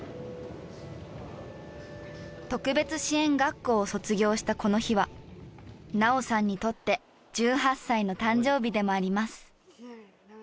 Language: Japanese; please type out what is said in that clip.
特別支援学校を卒業したこの日は菜桜さんにとって１８歳の誕生日でもあります。